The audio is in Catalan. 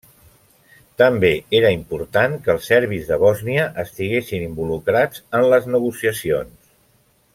També era important que els serbis de Bòsnia estiguessin involucrats en les negociacions.